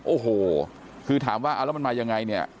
โอ้โหคือถามว่าเอาแล้วมันมายังไงเนี่ย